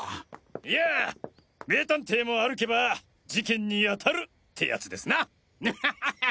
いやぁ名探偵も歩けば事件に当たるってヤツですな。